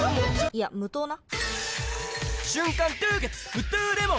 いや無糖な！